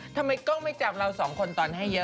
ทำไมกล้องไม่จับเราสองคนตอนให้เยอะ